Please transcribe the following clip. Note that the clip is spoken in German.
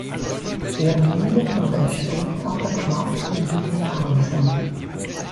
Er mündet und entspringt aber knapp in Hiddenhausen.